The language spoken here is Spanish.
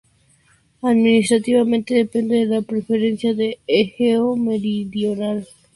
Administrativamente depende de la Periferia de Egeo Meridional.